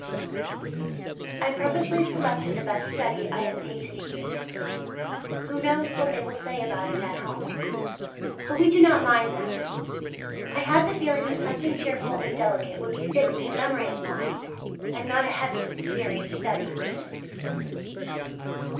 I purposely selected the best study I have painted here; who knows what they will say about it at home; but we do not mind that. I had the feeling that something cheerful and delicate would be fitting in memory of Mauve, and not a heavy, serious study.